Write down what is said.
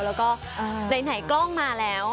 แล้วก็ไหนกล้องมาแล้ว